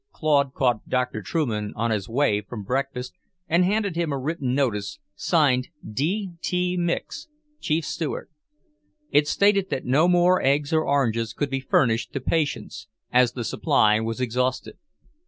Claude caught Dr. Trueman on his way from breakfast and handed him a written notice, signed D. T. Micks, Chief Steward. It stated that no more eggs or oranges could be furnished to patients, as the supply was exhausted.